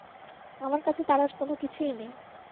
আমার কাছে তার আর কোনো কিছুই নেই।